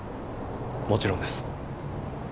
もちろんです。